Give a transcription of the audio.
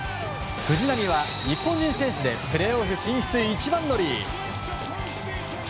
藤浪は日本人選手でプレーオフ進出一番乗り。